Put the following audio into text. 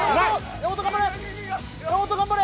山本頑張れ！